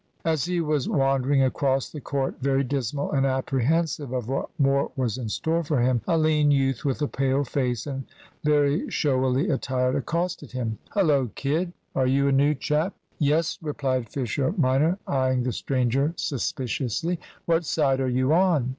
As he was wandering across the court, very dismal and apprehensive of what more was in store for him, a lean youth with a pale face and very showily attired accosted him. "Hullo, kid, are you a new chap?" "Yes," replied Fisher minor, eyeing the stranger suspiciously. "What side are you on?"